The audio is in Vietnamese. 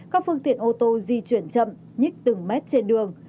các phương tiện ô tô di chuyển chậm nhích từng mét trên đường